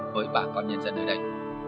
với bà con nhân dân ở đây